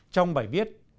trong bài viết